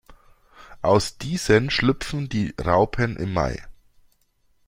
Aus diesen schlüpfen die Raupen im Mai.